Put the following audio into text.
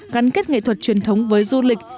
gắn kết nghệ thuật truyền thống với du lịch